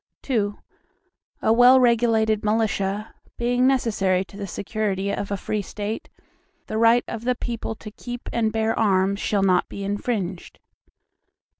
II A well regulated militia, being necessary to the security of a free State, the right of the people to keep and bear arms, shall not be infringed.